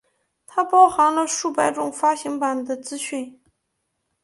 它包含了数百种发行版的资讯。